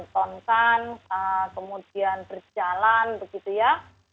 ditontonkan kemudian berjalan begitu ya